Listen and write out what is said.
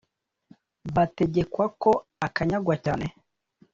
bategekwa ko akanyagwa cyane